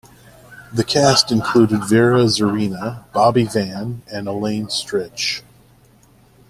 The cast included Vera Zorina, Bobby Van, and Elaine Stritch.